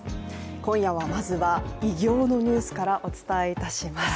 今夜はまずは偉業のニュースからお伝えいたします。